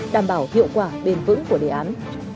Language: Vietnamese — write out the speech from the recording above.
đảm bảo hiệu quả bền vững của đề án